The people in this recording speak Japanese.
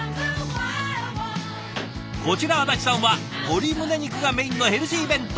こちら安達さんは鶏胸肉がメインのヘルシー弁当。